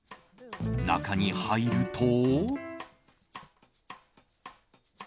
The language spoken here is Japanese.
中に入ると。